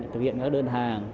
thực hiện các đơn hàng